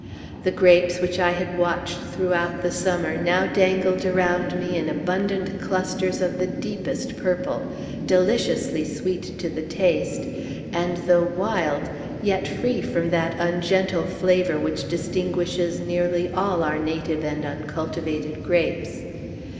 The grapes, which I had watched throughout the summer, now dangled around me in abundant clusters of the deepest purple, deliciously sweet to the taste, and, though wild, yet free from that ungentle flavor which distinguishes nearly all our native and uncultivated grapes.